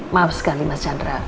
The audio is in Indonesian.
maaf sekali mas chandra